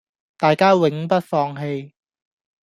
大家永不放棄